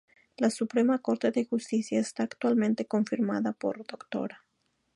La Suprema Corte de Justicia está actualmente confirmada por: Dra.